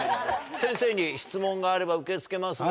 先生に質問があれば受け付けますが。